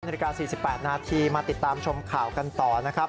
นาฬิกา๔๘นาทีมาติดตามชมข่าวกันต่อนะครับ